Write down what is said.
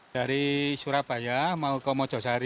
dari surabaya mau ke mojosari